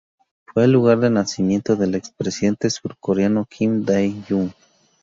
Fue el lugar de nacimiento del expresidente surcoreano Kim Dae-jung.